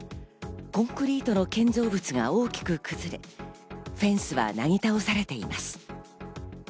コンクリートの建造物が大きく崩れ、フェンスはなぎ倒されています。